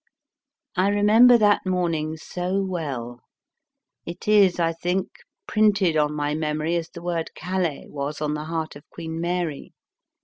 I remember that morning so well ; it is, I think, printed on my memory as the word Calais was on the heart of Queen Mary.